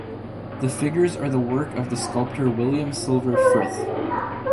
The figures are the work of the sculptor William Silver Frith.